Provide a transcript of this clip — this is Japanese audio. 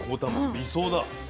理想だ。